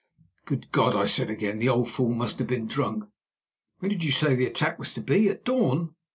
"Good God!" I said again, "the old fool must have been drunk. When did you say the attack was to be—at dawn?"